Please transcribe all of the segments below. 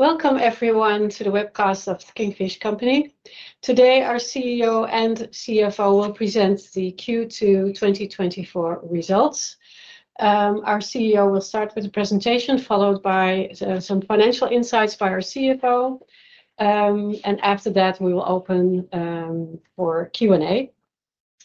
Welcome everyone to the webcast of The Kingfish Company. Today, our CEO and CFO will present the Q2 2024 results. Our CEO will start with the presentation, followed by some financial insights by our CFO, and after that, we will open for Q&A,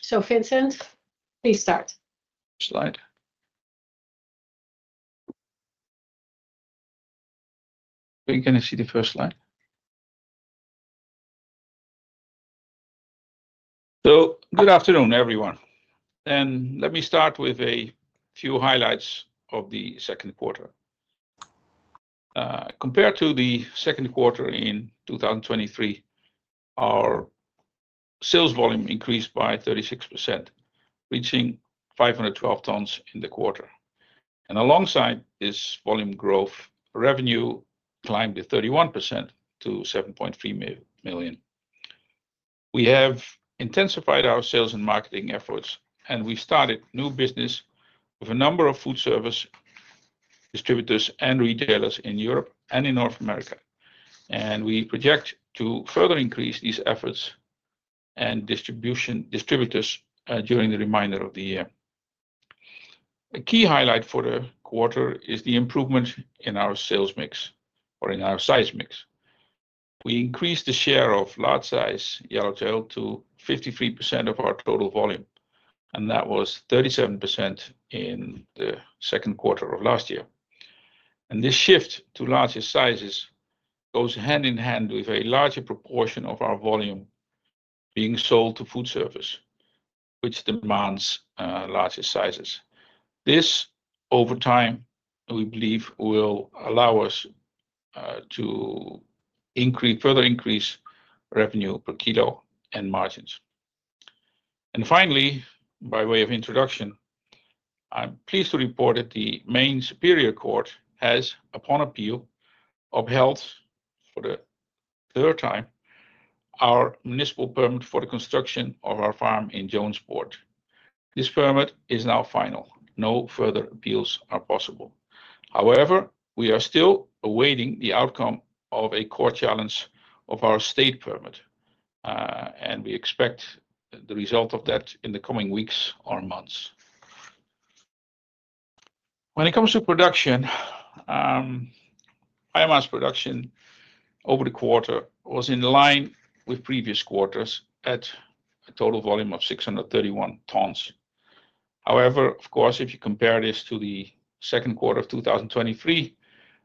so Vincent, please start. Slide. Are you gonna see the first slide? So good afternoon, everyone, and let me start with a few highlights of the second quarter. Compared to the second quarter in 2023, our sales volume increased by 36%, reaching 512 tons in the quarter. And alongside this volume growth, revenue climbed 31% to 7.3 million. We have intensified our sales and marketing efforts, and we started new business with a number of food service distributors and retailers in Europe and in North America, and we project to further increase these efforts and distributors during the remainder of the year. A key highlight for the quarter is the improvement in our sales mix or in our size mix. We increased the share of large size yellowtail to 53% of our total volume, and that was 37% in the second quarter of last year. This shift to larger sizes goes hand in hand with a larger proportion of our volume being sold to food service, which demands larger sizes. This, over time, we believe, will allow us to further increase revenue per kilo and margins. Finally, by way of introduction, I'm pleased to report that the Maine Superior Court has, upon appeal, upheld, for the third time, our municipal permit for the construction of our farm in Jonesport. This permit is now final. No further appeals are possible. However, we are still awaiting the outcome of a court challenge of our state permit, and we expect the result of that in the coming weeks or months. When it comes to production, biomass production over the quarter was in line with previous quarters, at a total volume of 631 tons. However, of course, if you compare this to the second quarter of 2023,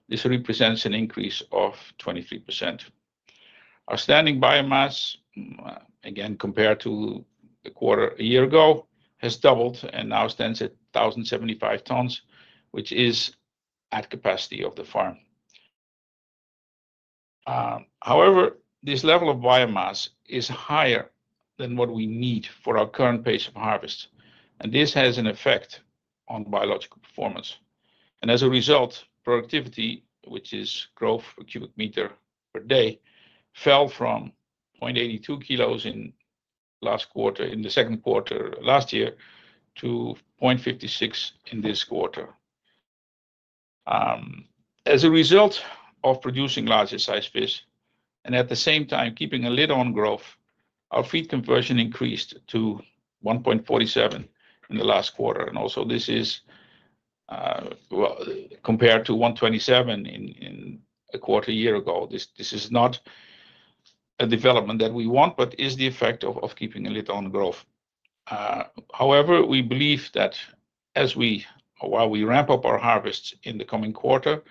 this represents an increase of 23%. Our standing biomass, again, compared to the quarter a year ago, has doubled and now stands at 1,075 tons, which is at capacity of the farm. However, this level of biomass is higher than what we need for our current pace of harvest, and this has an effect on biological performance. And as a result, productivity, which is growth per cubic meter per day, fell from 0.82 kilos in last quarter, in the second quarter last year, to 0.56 in this quarter. As a result of producing larger size fish and at the same time keeping a lid on growth, our feed conversion increased to 1.47 in the last quarter, and also this is compared to 1.27 in a quarter a year ago. This is not a development that we want, but is the effect of keeping a lid on growth. However, we believe that as we while we ramp up our harvests in the coming quarter,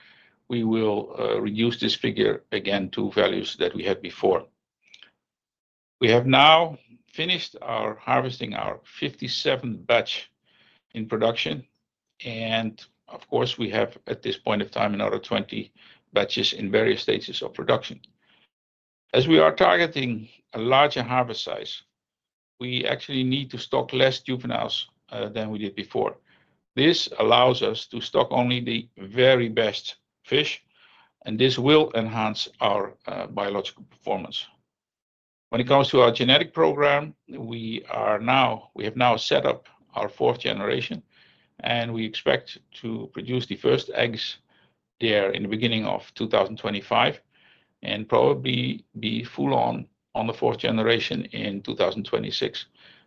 we will reduce this figure again to values that we had before. We have now finished harvesting our 57 batch in production, and of course, we have, at this point of time, another 20 batches in various stages of production. As we are targeting a larger harvest size, we actually need to stock less juveniles than we did before. This allows us to stock only the very best fish, and this will enhance our biological performance. When it comes to our genetic program, we have now set up our 4th generation, and we expect to produce the first eggs there in the beginning of 2025, and probably be full-on on the 4th generation in 2026.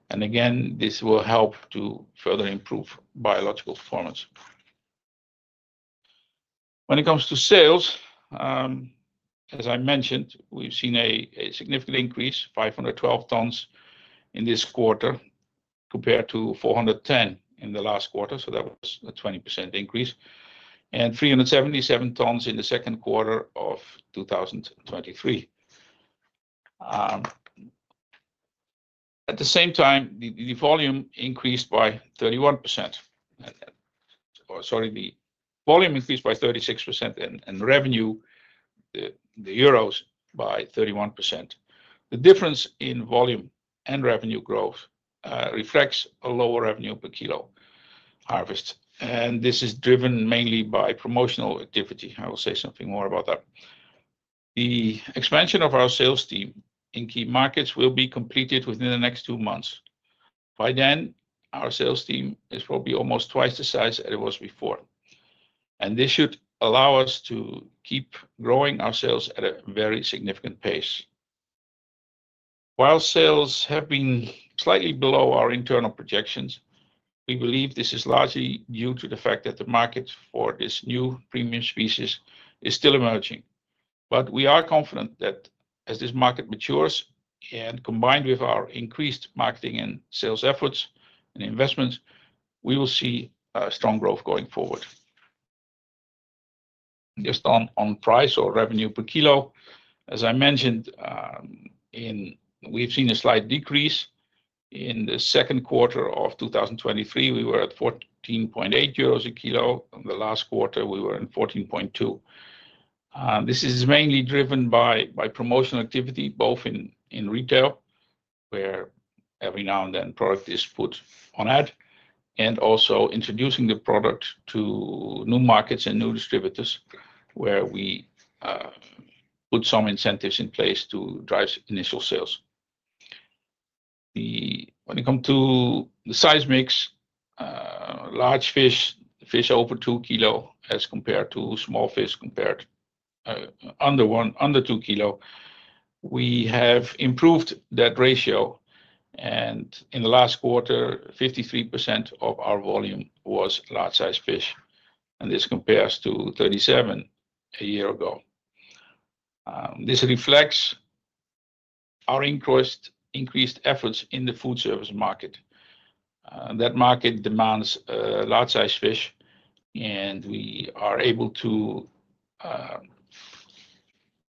And again, this will help to further improve biological performance. When it comes to sales, as I mentioned, we've seen a significant increase, 512 tons in this quarter, compared to 410 in the last quarter, so that was a 20% increase, and 377 tons in the second quarter of 2023. At the same time, the volume increased by 31%. Or sorry, the volume increased by 36% and revenue, the euros, by 31%. The difference in volume and revenue growth reflects a lower revenue per kilo harvest, and this is driven mainly by promotional activity. I will say something more about that. The expansion of our sales team in key markets will be completed within the next two months. By then, our sales team will be almost twice the size that it was before, and this should allow us to keep growing our sales at a very significant pace. While sales have been slightly below our internal projections, we believe this is largely due to the fact that the market for this new premium species is still emerging. But we are confident that as this market matures, and combined with our increased marketing and sales efforts and investments, we will see strong growth going forward. Just on price or revenue per kilo, as I mentioned, we've seen a slight decrease. In the second quarter of 2023, we were at 14.8 euros a kilo. In the last quarter, we were in 14.2. This is mainly driven by promotional activity, both in retail, where every now and then product is put on ad, and also introducing the product to new markets and new distributors, where we put some incentives in place to drive initial sales. When it come to the size mix, large fish, fish over two kilo, as compared to small fish, under one, under two kilo, we have improved that ratio, and in the last quarter, 53% of our volume was large-sized fish, and this compares to 37% a year ago. This reflects our increased efforts in the food service market. That market demands large-sized fish, and we are able to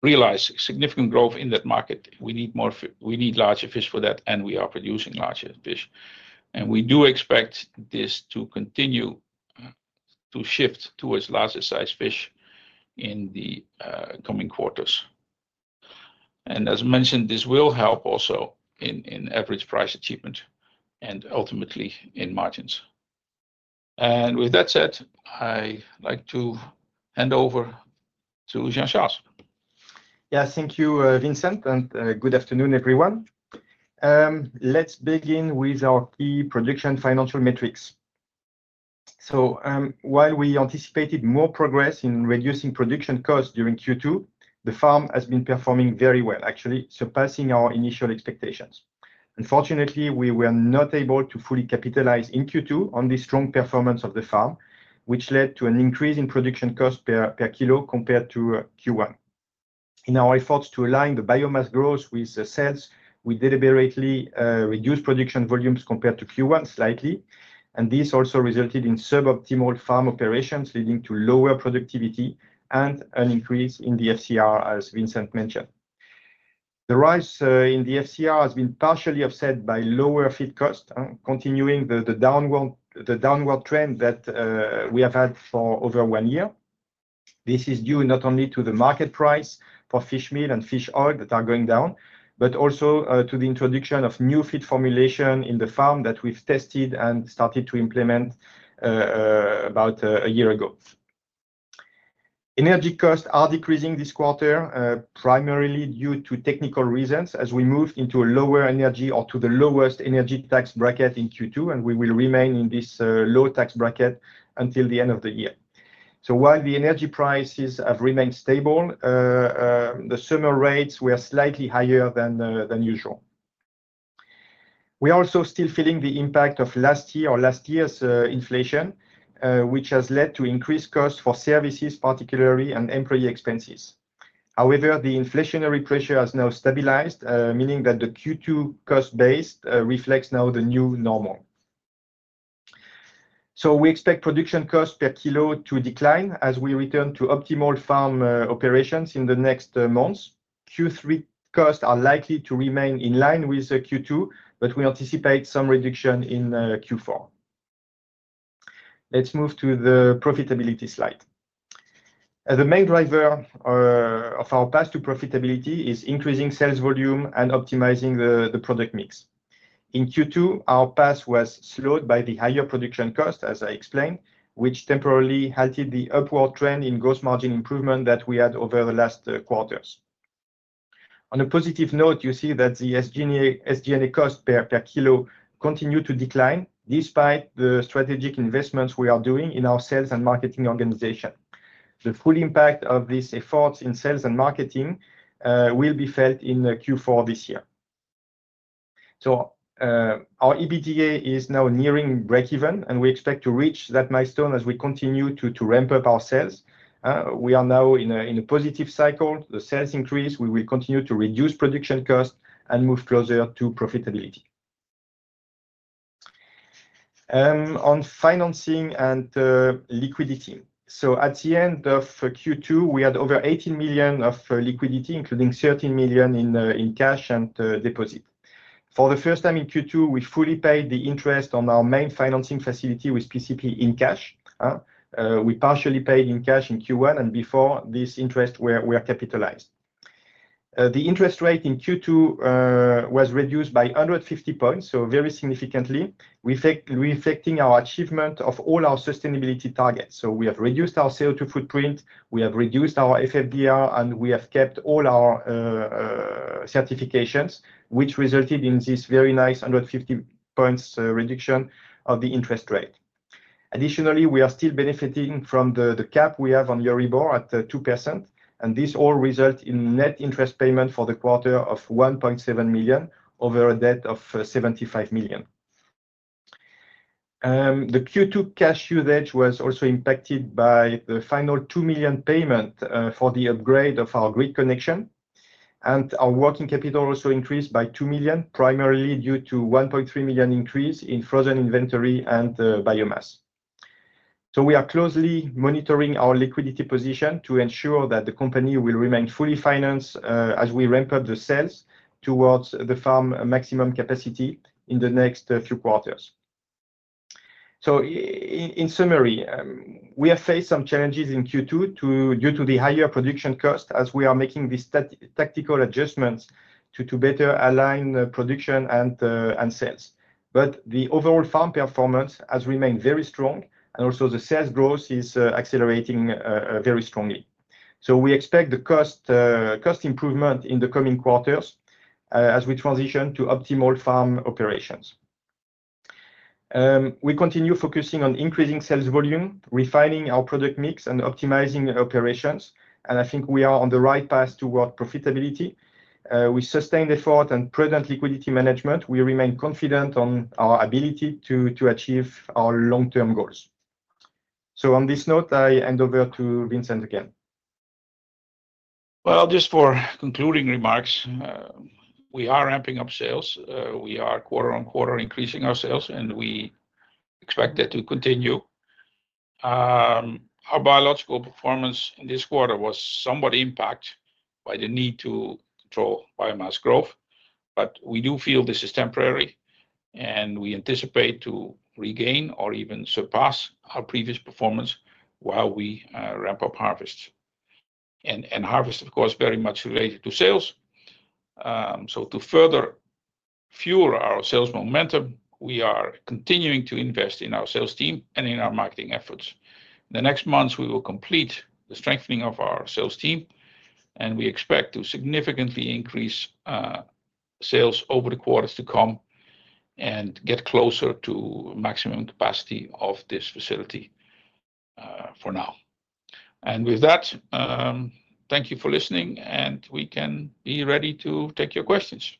realize significant growth in that market. We need larger fish for that, and we are producing larger fish. We do expect this to continue to shift towards larger-sized fish in the coming quarters. As mentioned, this will help also in average price achievement and ultimately in margins. With that said, I'd like to hand over to Jean-Charles. Yeah. Thank you, Vincent, and good afternoon, everyone. Let's begin with our key production financial metrics. So, while we anticipated more progress in reducing production costs during Q2, the farm has been performing very well, actually surpassing our initial expectations. Unfortunately, we were not able to fully capitalize in Q2 on the strong performance of the farm, which led to an increase in production cost per kilo compared to Q1. In our efforts to align the biomass growth with the sales, we deliberately reduced production volumes compared to Q1, slightly, and this also resulted in suboptimal farm operations, leading to lower productivity and an increase in the FCR, as Vincent mentioned. The rise in the FCR has been partially offset by lower feed cost, continuing the downward trend that we have had for over one year. This is due not only to the market price for fish meal and fish oil that are going down, but also, to the introduction of new feed formulation in the farm that we've tested and started to implement, about a year ago. Energy costs are decreasing this quarter, primarily due to technical reasons, as we moved into a lower energy or to the lowest energy tax bracket in Q2, and we will remain in this, low tax bracket until the end of the year. So while the energy prices have remained stable, the summer rates were slightly higher than usual. We are also still feeling the impact of last year or last year's, inflation, which has led to increased costs for services, particularly, and employee expenses. However, the inflationary pressure has now stabilized, meaning that the Q2 cost base reflects now the new normal. So we expect production cost per kilo to decline as we return to optimal farm operations in the next months. Q3 costs are likely to remain in line with the Q2, but we anticipate some reduction in Q4. Let's move to the profitability slide. The main driver of our path to profitability is increasing sales volume and optimizing the product mix. In Q2, our path was slowed by the higher production cost, as I explained, which temporarily halted the upward trend in gross margin improvement that we had over the last quarters. On a positive note, you see that the SG&A cost per kilo continued to decline, despite the strategic investments we are doing in our sales and marketing organization. The full impact of these efforts in sales and marketing will be felt in the Q4 this year. Our EBITDA is now nearing breakeven, and we expect to reach that milestone as we continue to ramp up our sales. We are now in a positive cycle. The sales increase, we will continue to reduce production cost and move closer to profitability. On financing and liquidity. At the end of Q2, we had over 18 million of liquidity, including 13 million in cash and deposit. For the first time in Q2, we fully paid the interest on our main financing facility with PCP in cash. We partially paid in cash in Q1, and before this interest were capitalized. The interest rate in Q2 was reduced by 150 points, so very significantly. We take reflecting our achievement of all our sustainability targets, so we have reduced our CO2 footprint, we have reduced our FFDR, and we have kept all our certifications, which resulted in this very nice 150 points reduction of the interest rate. Additionally, we are still benefiting from the cap we have on Euribor at 2%, and this all result in net interest payment for the quarter of 1.7 million over a debt of 75 million. The Q2 cash usage was also impacted by the final 2 million payment for the upgrade of our grid connection, and our working capital also increased by 2 million, primarily due to 1.3 million increase in frozen inventory and biomass. So we are closely monitoring our liquidity position to ensure that the company will remain fully financed as we ramp up the sales towards the farm maximum capacity in the next few quarters. So in summary, we have faced some challenges in Q2 due to the higher production cost as we are making these tactical adjustments to better align the production and sales. But the overall farm performance has remained very strong, and also the sales growth is accelerating very strongly. So we expect the cost improvement in the coming quarters as we transition to optimal farm operations. We continue focusing on increasing sales volume, refining our product mix, and optimizing operations, and I think we are on the right path toward profitability. With sustained effort and prudent liquidity management, we remain confident on our ability to achieve our long-term goals. So on this note, I hand over to Vincent again. Just for concluding remarks, we are ramping up sales. We are quarter-on-quarter increasing our sales, and we expect that to continue. Our biological performance in this quarter was somewhat impacted by the need to control biomass growth, but we do feel this is temporary, and we anticipate to regain or even surpass our previous performance while we ramp up harvest. And harvest, of course, very much related to sales. To further fuel our sales momentum, we are continuing to invest in our sales team and in our marketing efforts. In the next months, we will complete the strengthening of our sales team, and we expect to significantly increase sales over the quarters to come and get closer to maximum capacity of this facility for now. And with that, thank you for listening, and we can be ready to take your questions.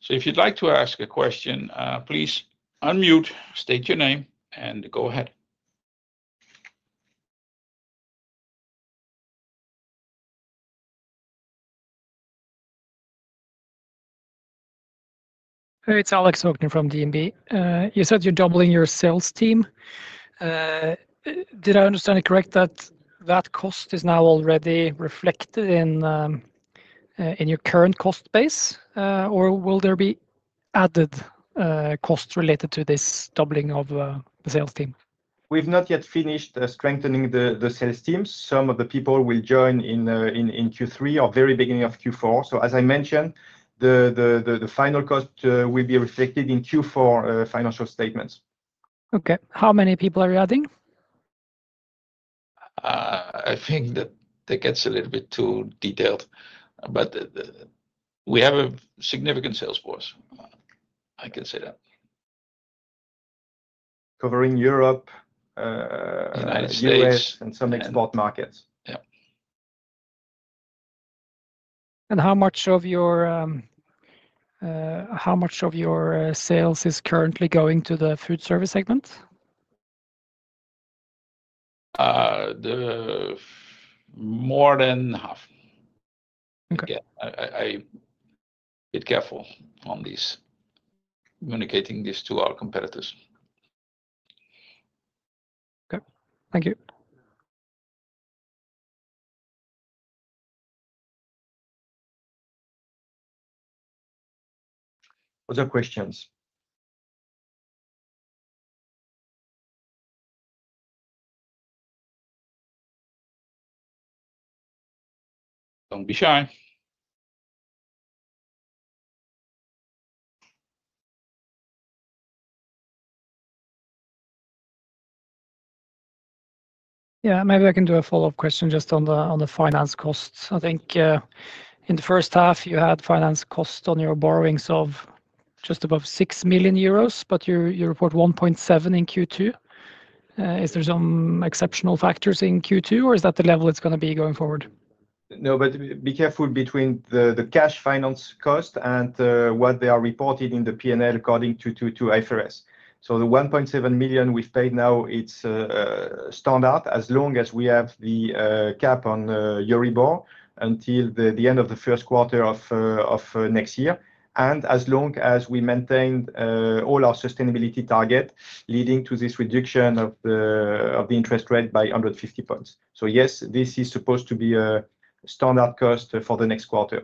So if you'd like to ask a question, please unmute, state your name, and go ahead. Hey, it's Alex Aukner from DNB. You said you're doubling your sales team. Did I understand it correct that that cost is now already reflected in your current cost base? Or will there be added costs related to this doubling of the sales team? We've not yet finished strengthening the sales team. Some of the people will join in Q3 or very beginning of Q4. So as I mentioned, the final cost will be reflected in Q4 financial statements. Okay. How many people are you adding? I think that gets a little bit too detailed, but, we have a significant sales force. I can say that. Covering Europe. United States... U.S. and some export markets. Yep. How much of your sales is currently going to the food service segment? More than half. Okay. Yeah, I'm a bit careful on this, communicating this to our competitors. Okay. Thank you. Other questions? Don't be shy. Yeah, maybe I can do a follow-up question just on the finance costs. I think, in the first half, you had finance costs on your borrowings of just above 6 million euros, but you report 1.7 million in Q2. Is there some exceptional factors in Q2, or is that the level it's gonna be going forward? No, but be careful between the cash finance cost and what they are reported in the P&L according to IFRS. So the 1.7 million we've paid now, it's standard as long as we have the cap on Euribor until the end of the first quarter of next year, and as long as we maintain all our sustainability target, leading to this reduction of the interest rate by 150 points. So yes, this is supposed to be a standard cost for the next quarters.